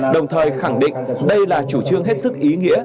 đồng thời khẳng định đây là chủ trương hết sức ý nghĩa